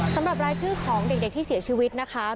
สำหรับรายชื่อของเด็กที่เสียชีวิตนะคะ